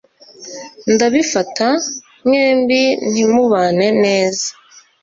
Ndabifata mwembi ntimubane neza